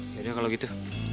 yaudah kalo gitu